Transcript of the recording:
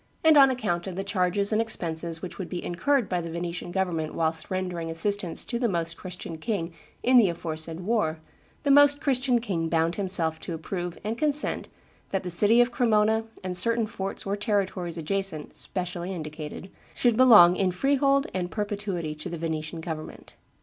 And on account of the charges and expenses which would be incurred by the Venetian government whilst rendering assistance to the Most Christian king in the aforesaid war, the Most Christian king bound himself to approve and consent that the city of Cremona and certain forts or territories adjacent, specially indicated, should belong in freehold and perpetuity to the Venetian government.